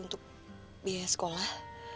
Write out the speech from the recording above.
untuk biaya sekolah